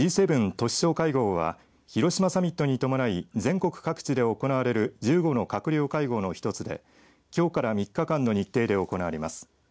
都市相会合は広島サミットに伴い全国各地で行われる１５の閣僚会合の一つできょうから３日間の日程で行われます。